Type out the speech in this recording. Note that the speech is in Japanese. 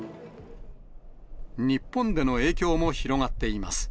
日本での影響も広がっています。